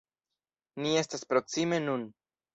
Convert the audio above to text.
Ni estas proksime nun.